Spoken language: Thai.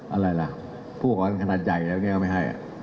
อะไรล่ะพวกขนาดใหญ่แล้วนี้ก็ไม่ให้